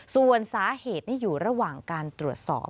ส่วนสาเหตุนี่อยู่ระหว่างการตรวจสอบ